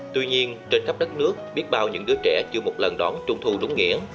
tuy nhiên trên khắp đất nước biết bao những đứa trẻ chưa một lần đón trung thu đúng nghĩa